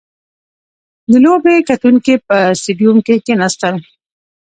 • د لوبې کتونکي په سټېډیوم کښېناستل.